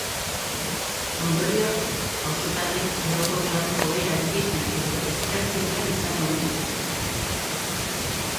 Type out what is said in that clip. Ondorioz, auzotarrek orokorrean joera ireki edo ezkertiarra izan ohi dute.